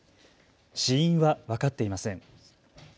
死因は分かっていません。